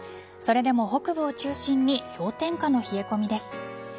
それでも北部を中心に氷点下の冷え込みです。